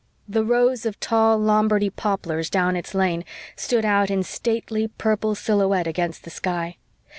The rows of tall Lombardy poplars down its lane stood out in stately, purple silhouette against the sky.